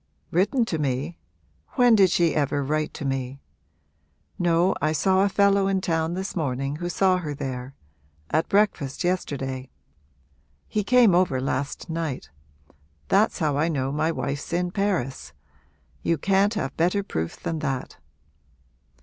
'Written to me? when did she ever write to me? No, I saw a fellow in town this morning who saw her there at breakfast yesterday. He came over last night. That's how I know my wife's in Paris. You can't have better proof than that!'